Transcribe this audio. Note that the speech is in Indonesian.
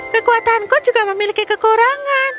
kekuatanku juga memiliki kekurangan